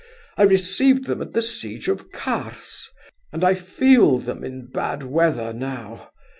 I received them at the siege of Kars, and I feel them in bad weather now.